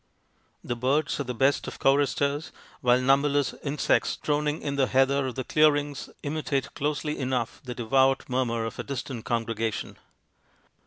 The birds are the best of choristers, while numberless insects droning in the heather of the clearings imi tate closely enough the devout murmur of a distant congregation.